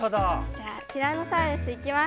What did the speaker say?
じゃあティラノサウルスいきます。